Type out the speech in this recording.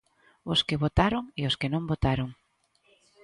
Os que votaron e os que non votaron.